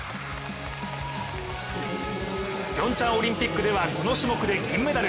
ピョンチャンオリンピックでは、この種目で銀メダル。